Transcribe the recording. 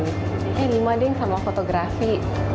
ini lima deh sama fotografi